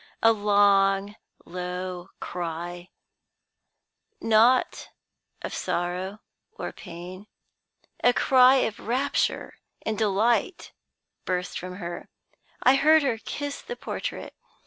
A long, low cry not of sorrow or pain: a cry of rapture and delight burst from her. I heard her kiss the portrait.